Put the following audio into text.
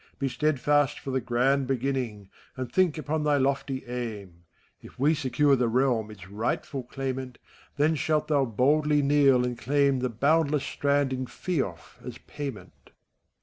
Be steadfast for the grand beginning, And think upon thy lofty aim! If we secure the realm its rightful claimant, Then shalt thou boldly kneel, and claim The boundless strand in feoff, as payment. FAUST.